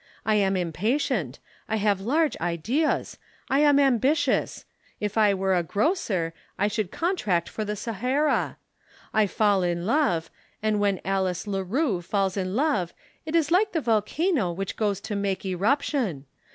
I am impatient; I have large ideas; I am ambitious. If I were a grocer I should contract for the Sahara. I fall in love, and when Alice Leroux falls in love it is like the volcano which goes to make eruption.